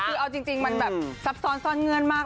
คือเอาจริงมันแบบซับซ้อนซ่อนเงื่อนมาก